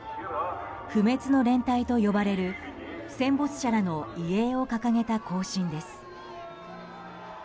不滅の連隊と呼ばれる戦没者らの遺影を掲げた行進です。